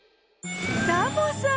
サボさん！